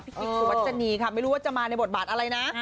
กิ๊กสุวัชนีค่ะไม่รู้ว่าจะมาในบทบาทอะไรนะ